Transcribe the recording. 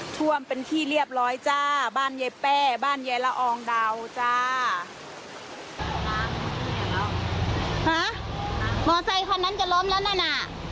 ท่วมเป็นที่เรียบร้อยจ้าบ้านใยแป้บ้านใยละอองดาวจ้า